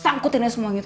sangkutin aja semua gitu